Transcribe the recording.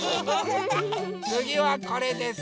つぎはこれです！